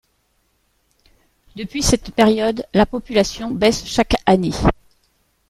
Depuis cette période, la population baisse chaque année.